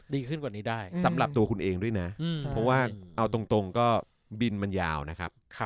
ดีขึ้นกว่านี้ได้สำหรับตัวคุณเองด้วยนะเพราะว่าเอาตรงก็บินมันยาวนะครับ